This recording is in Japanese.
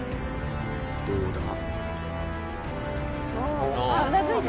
どうだ？